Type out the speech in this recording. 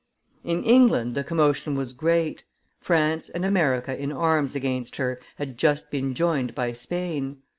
In England the commotion was great: France and America in arms against her had just been joined by Spain.